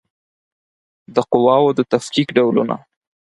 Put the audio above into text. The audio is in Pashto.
د قواوو د تفکیک ډولونه